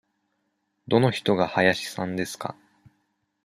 どの人が林さんですか。